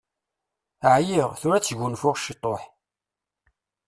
Ɛyiɣ, tura ad sgunfuɣ ctuḥ.